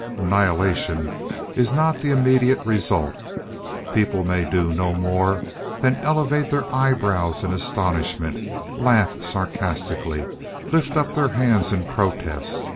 Annihilation is not the immediate result. People may do no more than elevate their eyebrows in astonishment, laugh sarcastically, lift up their hands in protest.